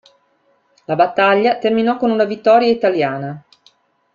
La battaglia terminò con una vittoria italiana.